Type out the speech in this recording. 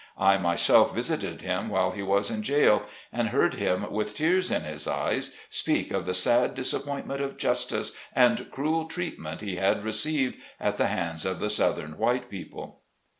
I myself visited him while he was in jail, and heard him, with tears in his eyes, speak of the sad disap pointment of justice and cruel treatment he had received at the hands of the southern white people.